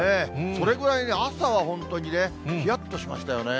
それぐらい朝は本当にね、ひやっとしましたよね。